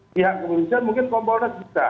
pihak kepolisian mungkin kompolnas bisa